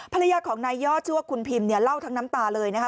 ภรรยาของนายยอดชื่อว่าคุณพิมเนี่ยเล่าทั้งน้ำตาเลยนะคะ